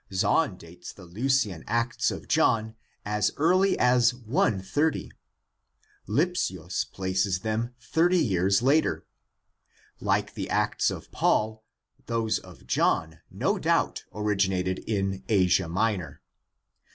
Zahn dates the Leucian Acts of John as early as 130; Lipsius places them thirty years later. Like the Acts of Paul, those of John no doubt originated in Asia Minor.